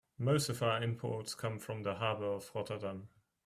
Most of our imports come from the harbor of Rotterdam.